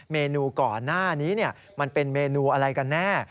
เมนูก่อนหน้านี้มันเป็นเมนูอะไรกันแน่